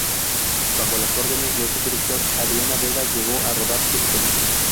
Bajo las órdenes de este director Adriana Vega llegó a rodar siete películas.